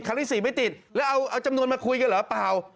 ที่๔ไม่ติดแล้วเอาจำนวนมาคุยกันเหรอเปล่า